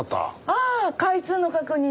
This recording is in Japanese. ああ開通の確認に。